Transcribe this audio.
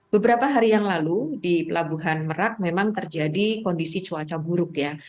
beberapa hari yang lalu di pelabuhan merak memang terjadi kondisi cuaca buruk ya